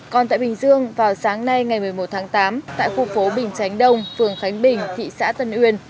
còn tại bình dương vào sáng nay ngày một mươi một tháng tám tại khu phố bình chánh đông phường khánh bình thị xã tân uyên